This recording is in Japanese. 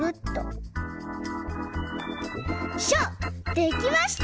できました！